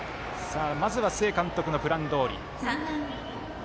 まずは須江監督のプランどおり。